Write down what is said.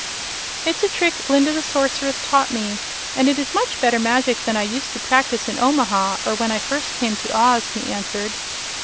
"It's a trick Glinda the Sorceress taught me, and it is much better magic than I used to practice in Omaha, or when I first came to Oz," he answered.